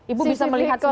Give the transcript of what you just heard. ibu bisa melihat semua